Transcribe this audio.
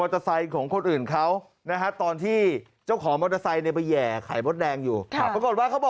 เริ่มแสดงรถอีกทางหนึ่งยั่นผมครับ